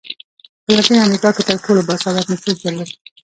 په لاتینه امریکا کې تر ټولو با سواده نفوس درلود.